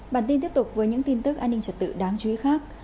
bản tin tiếp tục với những tin tức an ninh trật tự đáng chú ý khác